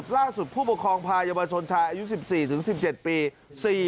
ล่าสุดผู้ปกครองภายวชนชายอายุ๑๔ถึง๑๗ปี